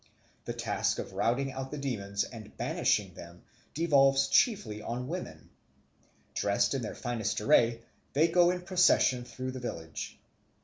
The task of routing out the demons and banishing them devolves chiefly on women. Dressed in their finest array, they go in procession through the village.